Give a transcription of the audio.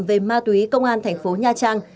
về ma túy công an thành phố nha trang